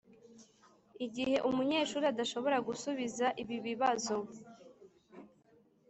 Igihe umunyeshuri adashobora gusubiza ibi bibazo